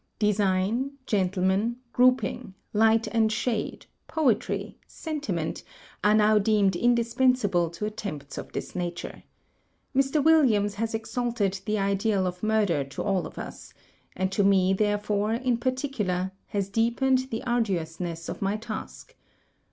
Design, gentlemen, grouping, light and shade, poetry, sentiment, are now deemed indispensable to attempts of this nature. Mr. Williams has exalted the ideal of murder to all of us; and to me, therefore, in particular, has deepened the arduousness of my task.